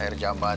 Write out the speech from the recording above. air jamban neng